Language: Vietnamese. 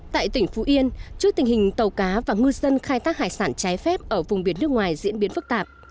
tại tỉnh phú yên trước tình hình tàu cá và ngư dân khai thác hải sản trái phép ở vùng biển nước ngoài diễn biến phức tạp